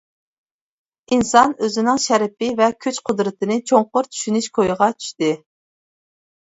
ئىنسان ئۆزىنىڭ شەرىپى ۋە كۈچ-قۇدرىتىنى چوڭقۇر چۈشىنىش كويىغا چۈشتى.